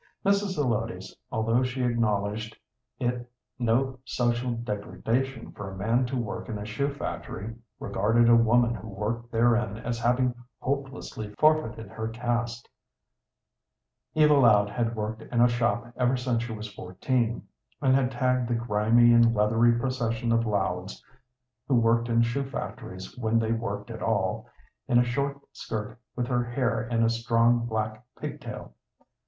Mrs. Zelotes, although she acknowledged it no social degradation for a man to work in a shoe factory, regarded a woman who worked therein as having hopelessly forfeited her caste. Eva Loud had worked in a shop ever since she was fourteen, and had tagged the grimy and leathery procession of Louds, who worked in shoe factories when they worked at all, in a short skirt with her hair in a strong black pigtail.